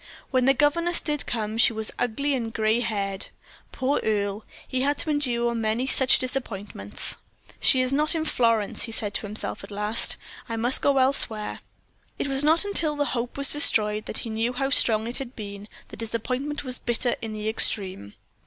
When the governess did come in, she was ugly and gray haired. Poor Earle! he had to endure many such disappointments. "She is not in Florence," he said to himself at last. "I must go elsewhere." It was not until the hope was destroyed that he knew how strong it had been the disappointment was bitter in the extreme.